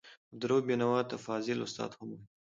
عبدالرؤف بېنوا ته فاضل استاد هم وايي.